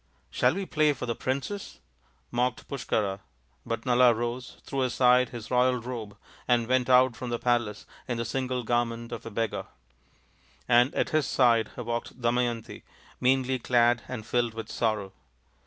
" Shall we play for the princess ?" mocked Push kara, but Nala rose, threw aside his royal robe, and went out from the palace in the single garment of a beggar. And at his side walked Damayanti, meanly clad and filled with sorrow.